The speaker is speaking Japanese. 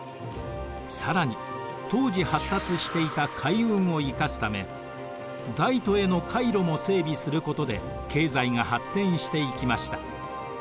更に当時発達していた海運を生かすため大都への海路も整備することで経済が発展していきました。